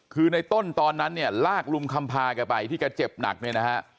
คือในต้นตอนนั้นเนี่ยลากลุงคำพาแกไปที่แกเจ็บหนักเนี่ยนะฮะ